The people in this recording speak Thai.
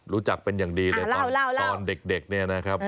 รู้จักเป็นอย่างดีเลยตอนเด็กเนี่ยนะครับ